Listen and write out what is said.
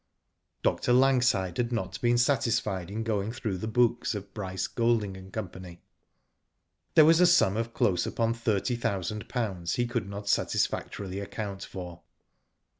Dr. Langside had not been satisfied in going through the books of Bryce, Golding, and Co. There was a sum of close upon thirty thousand pounds he could not satisfactorily account for.